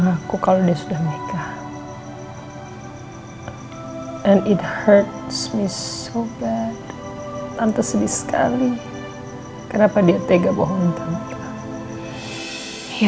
iya itu apa yang jadi army